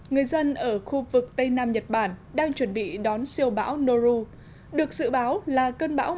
người dân ở khu vực tây nam nhật bản đang chuẩn bị đón siêu bão noru được dự báo là cơn bão